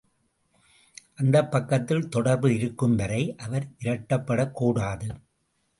அந்தப் பக்கத்தில் தொடர்பு இருக்கும் வரை, அவர் விரட்டப்படக் கூடாது.